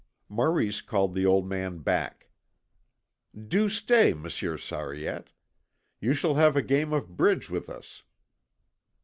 Maurice called the old man back. "Do stay, Monsieur Sariette. You shall have a game of bridge with us.